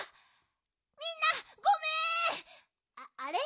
みんなごめんあれ？